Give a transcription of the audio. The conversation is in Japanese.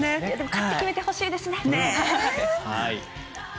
勝って決めてほしいですね。